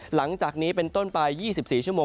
หลังจากนี้เป็นต้นไป๒๔ชั่วโมง